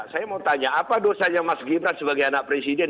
saya mau tanya apa dosanya mas gibran sebagai anak presiden